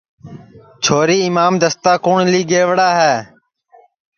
چھوری اِمام دستا کُوٹؔ لی گئوڑا ہے